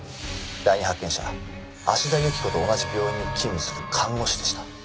第二発見者芦田雪子と同じ病院に勤務する看護師でした。